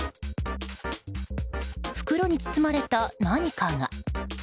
袋に包まれた何かが。